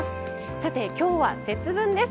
さて今日は節分です。